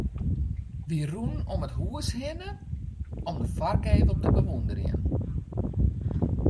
Wy rûnen om it hús hinne om de foargevel te bewûnderjen.